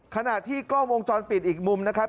ขณะที่กล้องวงจรปิดอีกมุมนะครับ